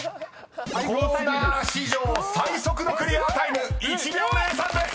［コーナー史上最速のクリアタイム１秒０３です］